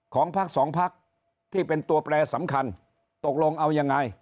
ของพักสองพักที่เป็นตัวแปรสำคัญตกลงเอายังไง